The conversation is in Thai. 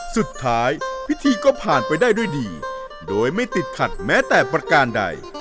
พิธีก็ผ่านไปได้ด้วยดีโดยไม่ติดขัดแม้แต่ประการใด